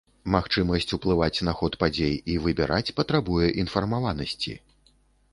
Магчымасць уплываць на ход падзей і выбіраць патрабуе інфармаванасці.